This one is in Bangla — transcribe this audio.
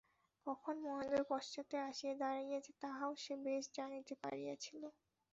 কখন মহেন্দ্র পশ্চাতে আসিয়া দাঁড়াইয়াছে তাহাও সে বেশ জানিতে পারিয়াছিল।